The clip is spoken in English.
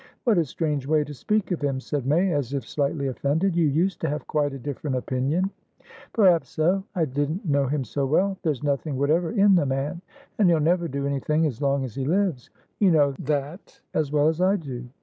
"What a strange way to speak of him!" said May, as if slightly offended. "You used to have quite a different opinion." "Perhaps so. I didn't know him so well. There's nothing whatever in the man, and he'll never do anything as long as he lives. You know that as well as I do."